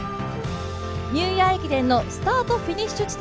ニューイヤー駅伝のスタート・フィニッシュ地点